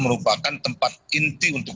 merupakan tempat inti untuk